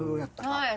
はい。